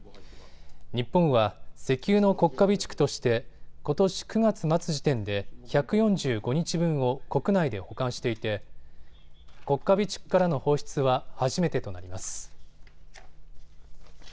日本は石油の国家備蓄としてことし９月末時点で１４５日分を国内で保管していて国家備蓄からの放出は初めてとなります。